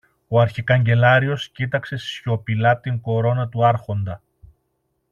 Ο αρχικαγκελάριος κοίταξε σιωπηλά την κορώνα του Άρχοντα